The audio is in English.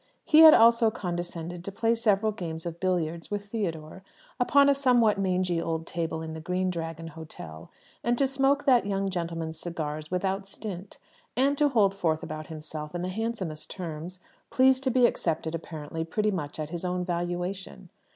He had also condescended to play several games of billiards with Theodore upon a somewhat mangy old table in the Green Dragon Hotel; and to smoke that young gentleman's cigars without stint; and to hold forth about himself in the handsomest terms, pleased to be accepted, apparently, pretty much at his own valuation.